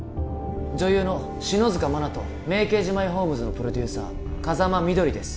女優の篠塚真菜と「名刑事マイホームズ」のプロデューサー風間みどりです